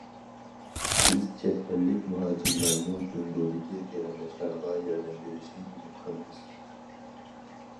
بىز چەت ئەللىك مۇھاجىرلارمۇ جۇڭگودىكى قېرىنداشلارغا ياردەم بېرىشنى ئۈمىد قىلىمىز.